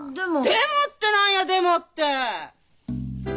でもって何やでもって！